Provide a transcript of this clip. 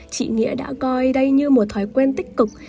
chị nghĩa đã coi đây như một thói quen tích cực